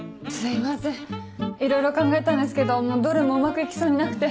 いろいろ考えたんですけどどれもうまく行きそうになくて。